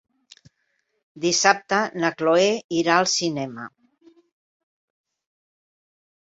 Dissabte na Cloè irà al cinema.